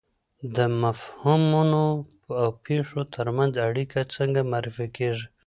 د مفهومونو او پېښو ترمنځ اړیکه څنګه معرفي کیږي؟